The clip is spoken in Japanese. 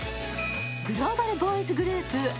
グローバルボーイズグループ